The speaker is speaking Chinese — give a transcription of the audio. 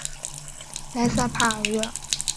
莱塞帕尔热。